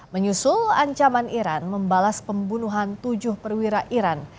menyusul ancaman iran membalas pembunuhan tujuh perwira iran